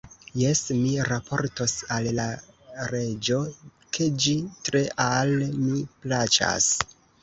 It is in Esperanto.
Jes, mi raportos al la reĝo, ke ĝi tre al mi plaĉas!